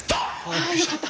あよかった。